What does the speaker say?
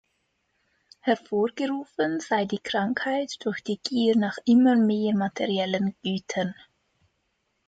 Hervorgerufen sei die Krankheit durch die Gier nach immer mehr materiellen Gütern.